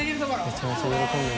めちゃめちゃ喜んでる。